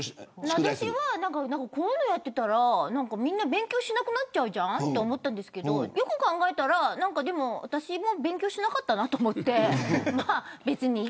私は、こういうのをやってたらみんな勉強しなくなると思っていたんですがよく考えたら私も勉強しなかったなと思って。